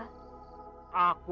siapa nama adikmu